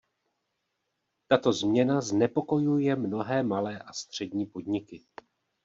Tato změna znepokojuje mnohé malé a střední podniky.